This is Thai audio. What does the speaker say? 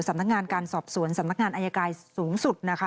สำนักงานการสอบสวนสำนักงานอายการสูงสุดนะคะ